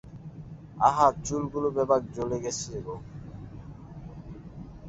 আহা চুলগুলো বেবাক জ্বলে গেছে গো!